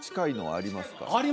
あります